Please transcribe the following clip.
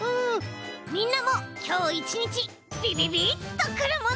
みんなもきょういちにちびびびっとくるもの。